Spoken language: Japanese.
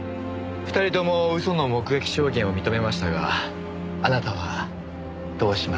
２人とも嘘の目撃証言を認めましたがあなたはどうしますか？